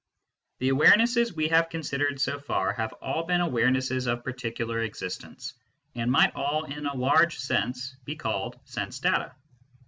The awarenesses we have considered so far have all been awarenesses of particular^ existents, and might all in a large sense be called sense data.